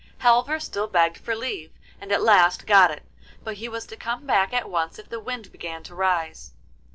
Halvor still begged for leave, and at last got it, but he was to come back at once if the wind began to rise.